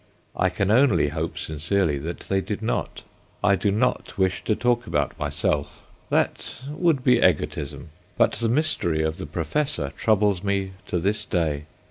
I can only hope sincerely that they did not. I do not wish to talk about myself. That would be egotism. But the mystery of the professor troubles me to this day.